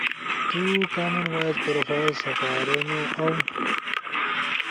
تو کامن وائس پروفائل سپارونو اؤ